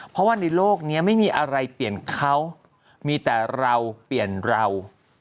เพราะว่าในโลกนี้ไม่มีอะไรเปลี่ยนเขามีแต่เราเปลี่ยนเรา